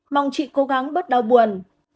mong chị cố gắng bớt đau buồn